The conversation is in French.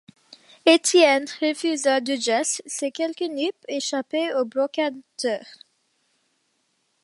Étienne refusa du geste ces quelques nippes, échappées aux brocanteurs.